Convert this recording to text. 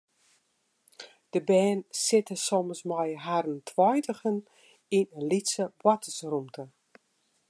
De bern sitte soms mei harren tweintigen yn in lytse boartersrûmte.